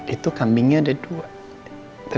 itu kambingnya ada dua